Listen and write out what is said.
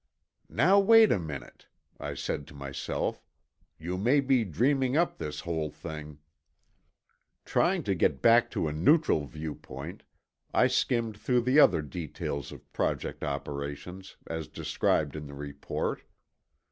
"Now, wait a minute," I said to myself. "You may be dreaming up this whole thing." Trying to get back to a neutral viewpoint, I skimmed through the other details of Project operations, as described in the report.